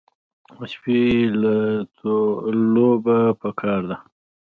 سپي ته لوبه پکار ده.